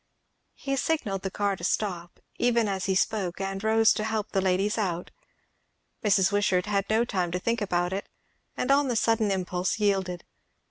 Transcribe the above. He signalled the car to stop, even as he spoke, and rose to help the ladies out. Mrs. Wishart had no time to think about it, and on the sudden impulse yielded.